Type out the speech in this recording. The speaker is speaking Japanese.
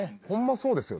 そうですよね。